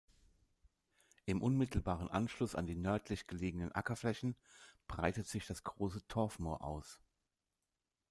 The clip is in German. Im unmittelbaren Anschluss an die nördlich gelegenen Ackerflächen breitet sich das Große Torfmoor aus.